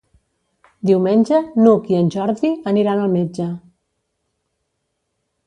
Diumenge n'Hug i en Jordi aniran al metge.